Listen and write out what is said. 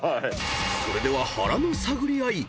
［それでは腹の探り合い。